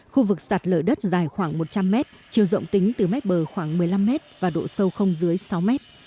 khu vực sạt lở đất dài khoảng một trăm linh mét chiều rộng tính từ mét bờ khoảng một mươi năm mét và độ sâu không dưới sáu mét